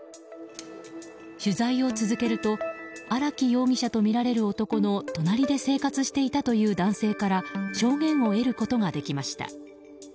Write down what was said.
取材を続けると荒木容疑者とみられる男の隣で生活していたという男性から証言を得ることができました。